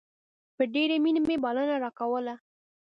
په ډېرې مينې به يې بلنه راکوله.